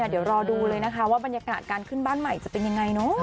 เดี๋ยวรอดูเลยนะคะว่าบรรยากาศการขึ้นบ้านใหม่จะเป็นยังไงเนอะ